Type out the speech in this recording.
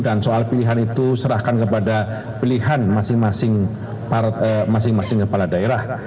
dan soal pilihan itu serahkan kepada pilihan masing masing kepala daerah